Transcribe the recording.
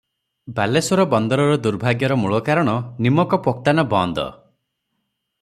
ବାଲେଶ୍ୱର ବନ୍ଦରର ଦୁର୍ଭାଗ୍ୟର ମୂଳକାରଣ, ନିମକ ପୋକ୍ତାନ ବନ୍ଦ ।